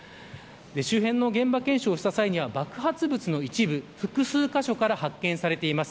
周辺の現場検証をした際には爆発物の一部が複数箇所から発見されています。